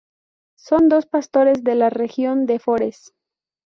Son dos pastores de la región de Forez.